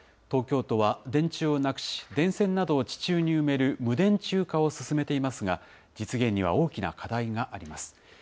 東京都は、電柱をなくし、電線などを地中に埋める無電柱化を進めていますが、実現には大きな課題があります。